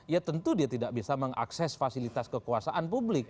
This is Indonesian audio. ya tentu dia tidak bisa mengakses fasilitas kekuasaan publik